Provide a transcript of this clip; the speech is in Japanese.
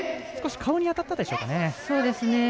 顔に当たったでしょうかね。